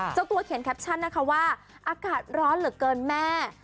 เจ้าตัวเขียนแคปชั่นนะคะว่าอากาศร้อนเหลือเกินแม่